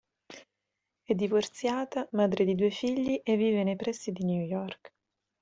È divorziata, madre di due figli e vive nei pressi di New York.